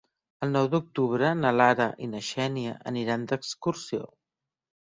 El nou d'octubre na Lara i na Xènia aniran d'excursió.